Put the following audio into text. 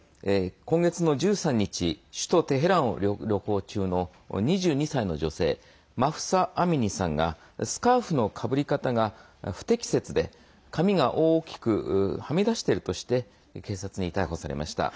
今月の１３日首都テヘランを旅行中の２２歳の女性マフサ・アミニさんがスカーフのかぶり方が不適切で髪が大きくはみ出しているとして警察に逮捕されました。